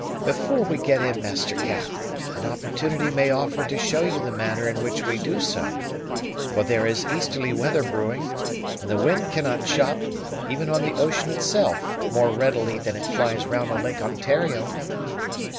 "Before we get in, Master Cap, an opportunity may offer to show you the manner in which we do so; for there is easterly weather brewing, and the wind cannot chop, even on the ocean itself, more readily than it flies round on Lake Ontario."